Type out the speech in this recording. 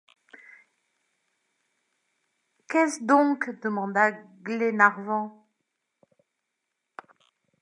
Qu’est-ce donc ? demanda Glenarvan.